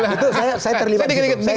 itu saya terlibat